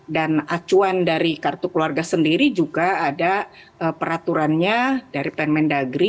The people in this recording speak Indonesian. dan acuan dari kartu keluarga sendiri juga ada peraturannya dari pemendagri